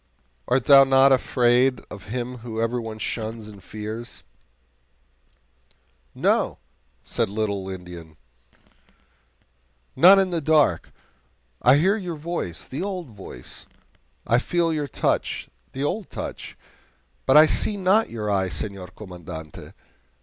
Art thou not afraid of him whom everyone shuns and fears?" "No," said the little Indian, readily, "not in the dark. I hear your voice the old voice; I feel your touch the old touch; but I see not your eye, Senor Commandante.